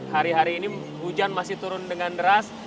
hari hari ini hujan masih turun dengan deras